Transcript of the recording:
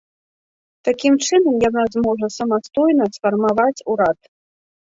Такім чынам, яна зможа самастойна сфармаваць урад.